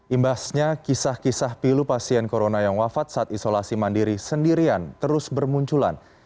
imbasnya kisah kisah pilu pasien corona yang wafat saat isolasi mandiri sendirian terus bermunculan